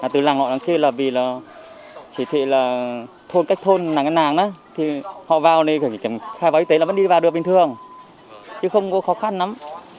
từ làng gọi làng kia là vì là chỉ thị là thôn cách thôn làng gắn làng á thì họ vào thì phải kể cảnh khám y tế là vẫn đi vào được bình thường chứ không có khó khăn lắm